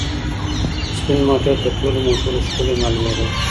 سپین موټر تر ټولو موټرو ښکلی معلومېده.